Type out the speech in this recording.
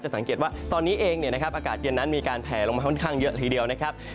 สังเกตว่าตอนนี้เองอากาศเย็นนั้นมีการแผลลงมาค่อนข้างเยอะทีเดียวนะครับ